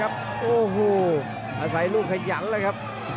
อาศัยลูกขยันเลยครับ